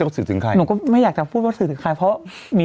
สื่อถึงใครอะไรอย่างนี้